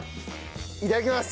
いただきます！